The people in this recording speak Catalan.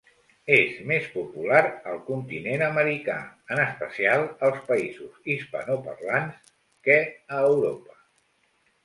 És més popular al continent americà, en especial als països hispanoparlants, que a Europa.